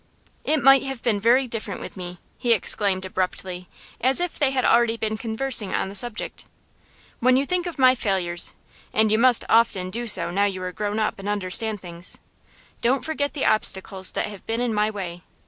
'It might have been very different with me,' he exclaimed abruptly, as if they had already been conversing on the subject. 'When you think of my failures and you must often do so now you are grown up and understand things don't forget the obstacles that have been in my way.